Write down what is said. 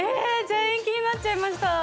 全員気になっちゃいました。